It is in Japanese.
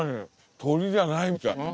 鳥じゃないみたい。